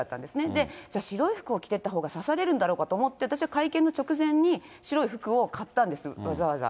で、じゃあ、白い服を着てたほうが指されるんだろうかと思って、私は会見の直前に、白い服を買ったんです、わざわざ。